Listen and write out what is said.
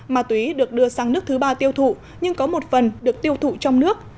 ma túy được đưa sang nước thứ ba tiêu thụ nhưng có một phần được tiêu thụ trong nước